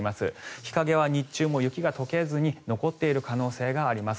日陰は日中も雪が解けずに残っている可能性があります。